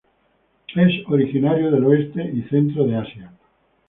Es originario del oeste y centro de Asia.